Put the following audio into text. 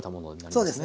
そうですね。